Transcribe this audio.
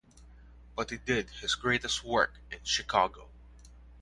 But he did his greatest work in Chicago.